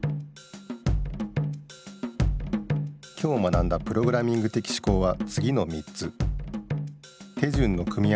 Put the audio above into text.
今日学んだプログラミング的思考はつぎの３つじかいも見るべし！